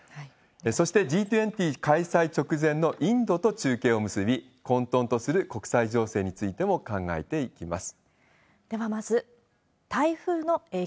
そして、Ｇ２０開催直前のインドと中継を結び、混とんとする国際情勢についても考えていきます。